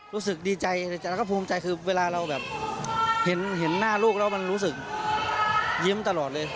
รู้สึกดีใจแล้วก็ภูมิใจคือเวลาเราแบบเห็นหน้าลูกแล้วมันรู้สึกยิ้มตลอดเลย